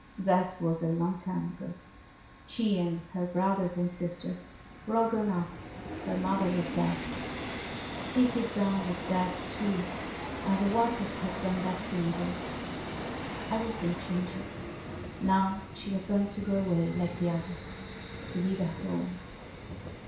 That was a long time ago; she and her brothers and sisters were all grown up; her mother was dead. Tizzie Dunn was dead, too, and the Waters had gone back to England. Everything changes. Now she was going to go away like the others, to leave her home.